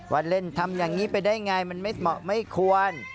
วันเล่นทำอย่างนี้ไปได้ไงมันไม่ควร